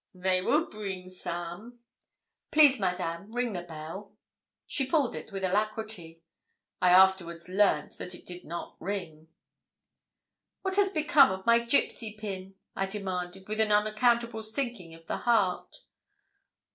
'They will bring some.' 'Please, Madame, ring the bell.' She pulled it with alacrity. I afterwards learnt that it did not ring. 'What has become of my gipsy pin?' I demanded, with an unaccountable sinking of the heart.